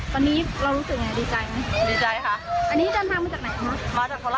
ตอนนี้เรารู้สึกยังไงดีใจไหมดีใจค่ะอันนี้เดินทางมาจากไหนคะ